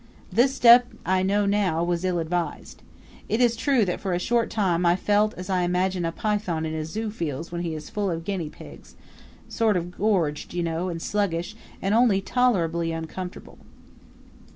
This step I know now was ill advised. It is true that for a short time I felt as I imagine a python in a zoo feels when he is full of guinea pigs sort of gorged, you know, and sluggish, and only tolerably uncomfortable.